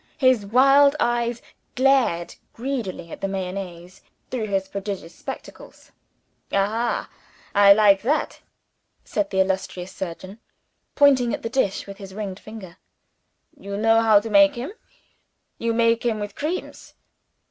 His wild eyes glared greedily at the Mayonnaise through his prodigious spectacles. "Aha! I like that," said the illustrious surgeon, pointing at the dish with his ringed forefinger. "You know how to make him you make him with creams.